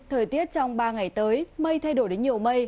thời tiết trong ba ngày tới mây thay đổi đến nhiều mây